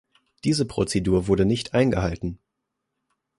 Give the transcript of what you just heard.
Diese Prozedur wurde nicht eingehalten.